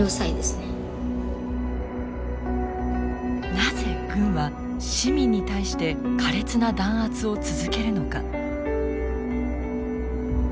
なぜ軍は市民に対して苛烈な弾圧を続けるのか？